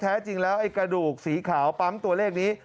แท้จริงแล้วไอ้กระดูกสีขาวปั๊มตัวเลขนี้